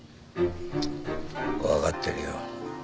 わかってるよ。